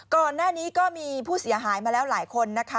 ก่อนหน้านี้ก็มีผู้เสียหายมาแล้วหลายคนนะคะ